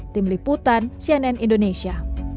tim liputan cnn indonesia